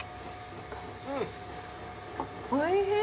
おいしい。